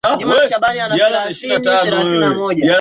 m msikilizaji moja kwa moja nikualike sasa katika